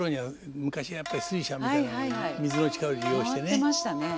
回ってましたね。